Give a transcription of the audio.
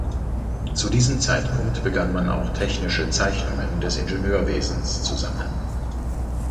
Zu diesem Zeitpunkt begann man auch technische Zeichnungen des Ingenieurwesens zu sammeln.